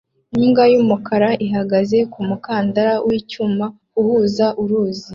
Imbwa y'umukara ihagaze ku mukandara w'icyuma uhuza uruzi